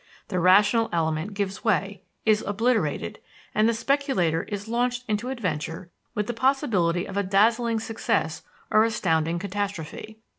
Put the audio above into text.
The rational element gives way, is obliterated, and the speculator is launched into adventure with the possibility of a dazzling success or astounding catastrophe.